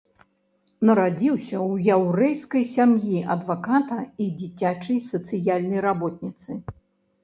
Нарадзіўся ў яўрэйскай сям'і адваката і дзіцячай сацыяльнай работніцы.